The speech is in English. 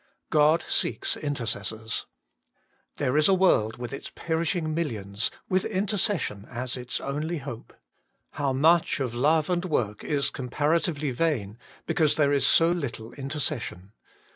God seeks intercessors. There is a world with its perishing millions, with intercession as its only hope. How much of love and work is compara tively vain, because there is so little intercession.